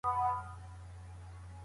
کوربه هیواد سیاسي پناه نه ورکوي.